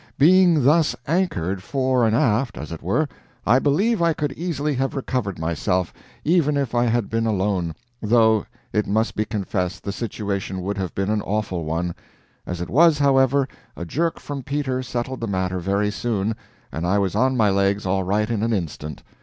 Being thus anchored fore and aft, as it were, I believe I could easily have recovered myself, even if I had been alone, though it must be confessed the situation would have been an awful one; as it was, however, a jerk from Peter settled the matter very soon, and I was on my legs all right in an instant.